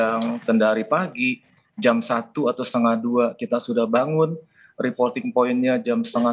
terbang ke ujung panda hari pagi jam satu atau setengah dua kita sudah bangun reporting pointnya jam setengah tiga